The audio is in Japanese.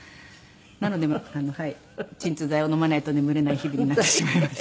なので鎮痛剤を飲まないと眠れない日々になってしまいました。